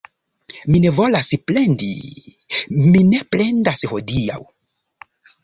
Mi ne volas plendi... Mi ne plendas hodiaŭ